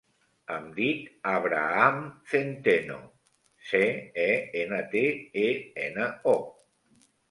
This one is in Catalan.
Em dic Abraham Centeno: ce, e, ena, te, e, ena, o.